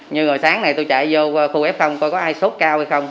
nhưng rồi sáng này tôi chạy vô khu f coi có ai sốt cao hay không